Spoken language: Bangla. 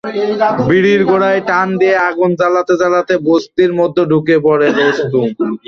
বিড়ির গোড়ায় টান দিয়ে আগুন জ্বালাতে জ্বালাতে বস্তির মধ্যে ঢুকে পড়ে রুস্তম।